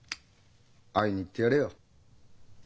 会いに行ってやれよ。